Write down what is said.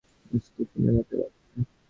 তোমার কথাবার্তা এখন আমার স্টিফেনের মতোই লাগছে।